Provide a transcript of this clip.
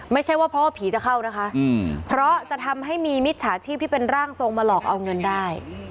ไม่ใช่ว่าเพราะว่าผีจะเข้านะคะเพราะจะทำให้มีมิจฉาชีพที่เป็นร่างทรงมาหลอกเอาเงินได้